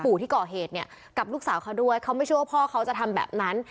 ที่ก่อเหตุเนี่ยกับลูกสาวเขาด้วยเขาไม่เชื่อว่าพ่อเขาจะทำแบบนั้น